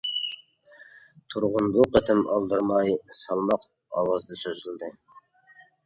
تۇرغۇن بۇ قېتىم ئالدىرىماي، سالماق ئاۋازدا سۆزلىدى.